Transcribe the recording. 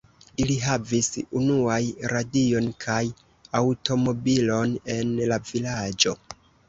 Ili havis unuaj radion kaj aŭtomobilon en la vilaĝo.